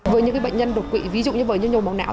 với những bệnh nhân đột quỷ ví dụ như với những nhồi máu não